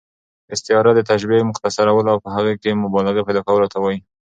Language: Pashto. استعاره د تشبیه، مختصرولو او په هغې کښي مبالغې پیدا کولو ته وايي.